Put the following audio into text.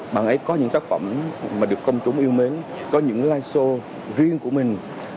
bằng ấy có những tác phẩm mà được công chúng yêu mến có những live show riêng của mình